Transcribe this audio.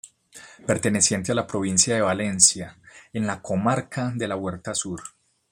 Perteneciente a la provincia de Valencia, en la comarca de la Huerta Sur.